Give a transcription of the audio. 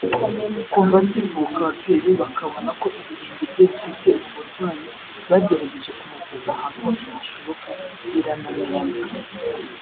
Kuva akivuka ababyeyi be bakabona ko ibirenge bye bifite ubu burwayi bagerageje kumuvuza ahantu hose hashoboka birananirana